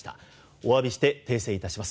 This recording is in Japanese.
おわびして訂正いたします。